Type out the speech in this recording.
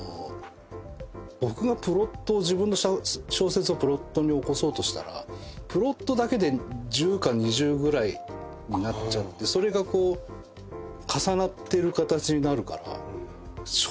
僕がプロットを自分の小説をプロットに起こそうとしたらプロットだけで１０か２０ぐらいになっちゃってそれがこう重なってる形になるから。